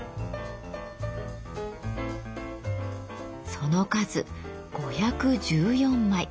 その数５１４枚。